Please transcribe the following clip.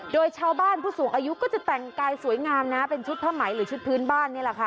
โดยชาวบ้านผู้สูงอายุก็จะแต่งกายสวยงามนะเป็นชุดผ้าไหมหรือชุดพื้นบ้านนี่แหละค่ะ